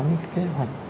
những kế hoạch